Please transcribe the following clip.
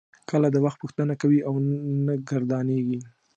کله د وخت پوښتنه کوي او نه ګردانیږي.